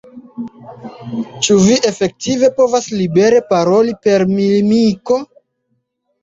Ĉu vi efektive povas libere paroli per mimiko?